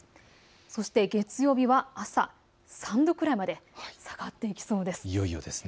そして月曜日は朝、３度ぐらいまで下がっていきそうです。